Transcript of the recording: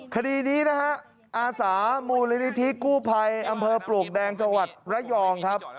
คดีนี้อาศาบุรณิธิกู้ภัยอำเภอปลูกแดงจังหวัดระยอง